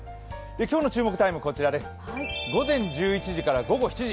今日の注目タイムは午前１１時から午後７時。